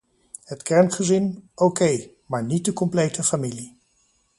Het kerngezin, oké, maar niet de complete familie.